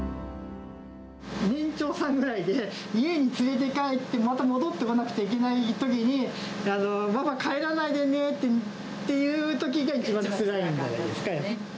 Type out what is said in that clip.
年長さんぐらいで、家に連れて帰って、また戻ってこなくちゃいけないときに、ママ帰らないでねっていうときが、一番つらい。